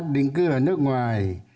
đình cư ở nước ngoài